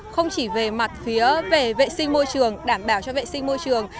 không chỉ về mặt phía về vệ sinh môi trường đảm bảo cho vệ sinh môi trường